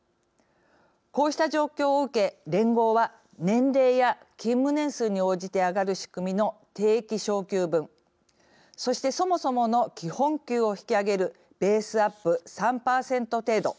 こうした状況を受け、連合は年齢や勤務年数に応じて上がる仕組みの定期昇給分そしてそもそもの基本給を引き上げるベースアップ３％程度。